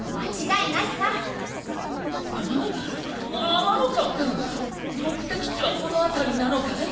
天ノ河君目的地はこの辺りなのかい？